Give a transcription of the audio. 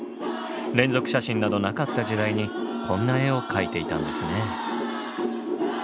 連続写真などなかった時代にこんな絵を描いていたんですね。